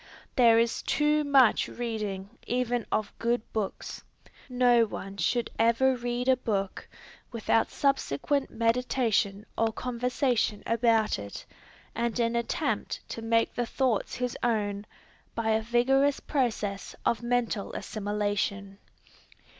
There is too much reading even of good books. No one should ever read a book, without subsequent meditation or conversation about it, and an attempt to make the thoughts his own, by a vigorous process of mental assimilation.